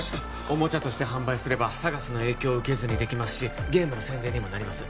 おもちゃとして販売すればＳＡＧＡＳの影響を受けずにできますしゲームの宣伝にもなります